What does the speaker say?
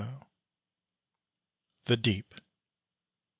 THE DEEP.